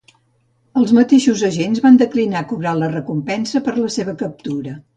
Els mateixos agents van declinar cobrar la recompensa per la seva captura.